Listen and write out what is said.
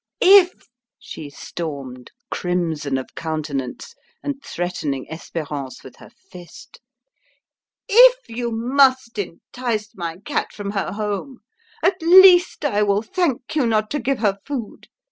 "If," she stormed, crimson of countenance, and threatening Espérance with her fist, "if you must entice my cat from her home, at least I will thank you not to give her food.